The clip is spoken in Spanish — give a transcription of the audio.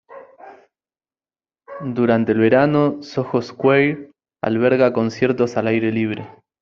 Durante el verano, Soho Square alberga conciertos al aire libre.